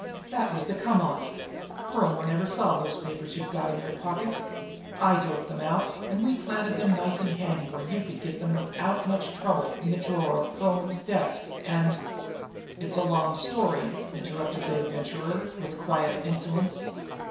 That was the come on. Perlmer never saw those papers you've got there in your pocket. I doped them out, and we planted them nice and handy where you could get them without much trouble in the drawer of Perlmer's desk, and " "It's a long story," interrupted the Adventurer, with quiet insolence.